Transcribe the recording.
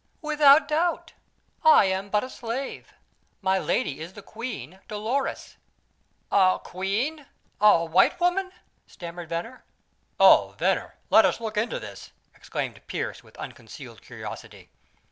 "Without doubt. I am but a slave, my lady is the queen, Dolores." "A queen a white woman?" stammered Venner. "Oh, Venner, let us look into this!" exclaimed Pearse with unconcealed curiosity.